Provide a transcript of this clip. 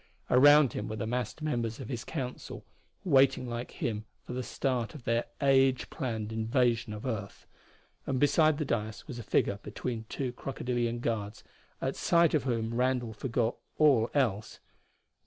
Around him were the massed members of his council, waiting like him for the start of their age planned invasion of earth. And beside the dais was a figure between two crocodilian guards at sight of whom Randall forgot all else.